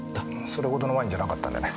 それほどのワインじゃなかったんでね。